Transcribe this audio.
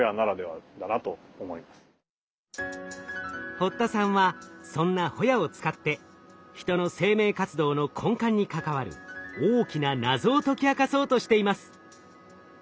堀田さんはそんなホヤを使ってヒトの生命活動の根幹に関わる大きな謎を解き明かそうとしています。